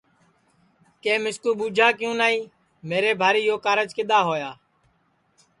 کہ مِسکو ٻوچھا کیوں نائی میرے بھاری یو کارج کِدؔا ہویا